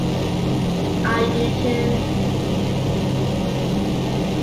Are you two?